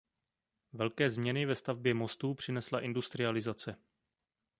Velké změny ve stavbě mostů přinesla industrializace.